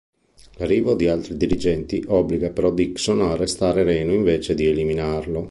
L'arrivo di altri agenti obbliga però Dixon ad arrestare Reno invece di eliminarlo.